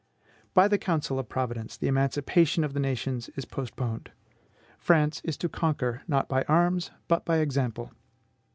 By the counsel of Providence the emancipation of the nations is postponed. France is to conquer, not by arms, but by example.